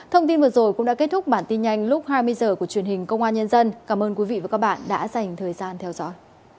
thông tin vừa rồi cũng đã kết thúc bản tin nhanh lúc hai mươi h của truyền hình công an nhân dân cảm ơn quý vị và các bạn đã dành thời gian theo dõi